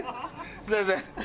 すみません。